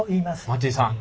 待井さん